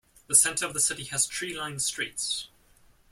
The center of the city has tree-lined streets.